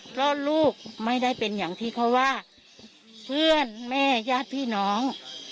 เพราะลูกไม่ได้เป็นอย่างที่เขาว่าเพื่อนแม่ญาติพี่น้อง